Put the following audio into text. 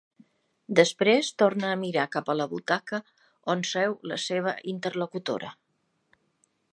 Després torna a mirar cap a la butaca on seu la seva interlocutora.